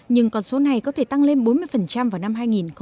nhưng con số này có thể tăng lên bốn mươi vào năm